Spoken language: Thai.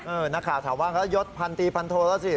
เออนะคะถามว่าครับยศพันตีพันโทแล้วสิ